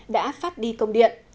đã phát đi công điện